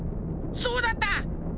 そうだった！